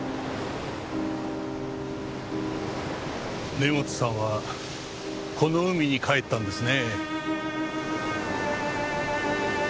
根本さんはこの海にかえったんですね。